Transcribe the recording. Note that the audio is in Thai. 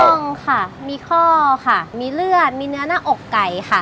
ต้องค่ะมีข้อค่ะมีเลือดมีเนื้อหน้าอกไก่ค่ะ